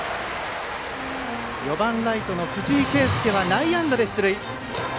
４番ライトの藤井啓輔は内野安打で出塁。